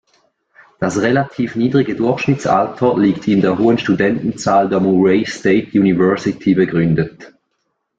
Das relativ niedrige Durchschnittsalter liegt in der hohen Studentenzahl der Murray State University begründet.